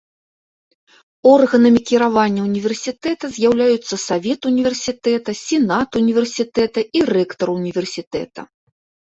Органамі кіравання ўніверсітэта з'яўляюцца савет універсітэта, сенат універсітэта і рэктар універсітэта.